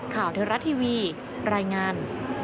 ข่าวเทราะห์ทีวีรายงาน